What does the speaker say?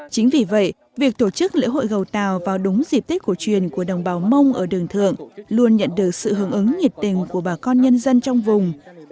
chính vì vậy việc tổ chức lễ hội gầu tàu vào đúng dịp tết cổ truyền của đồng bào mông ở đường thượng luôn nhận được sự hướng ứng nhiệt tình của bà con nhân dân trong vùng